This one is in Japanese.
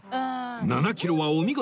７キロはお見事！